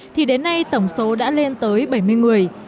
thì đến nay tổng số đã lên tới bảy mươi người